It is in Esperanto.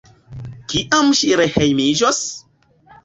Kiam ŝi rehejmiĝos?